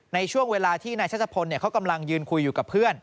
ในช่วงเวลาที่นายชัชพลเขากำลังยืนคุยอยู่กับเพื่อน